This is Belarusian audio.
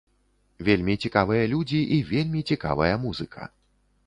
Вельмі цікавыя людзі і вельмі цікавая музыка.